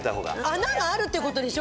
穴があるっていう事でしょ？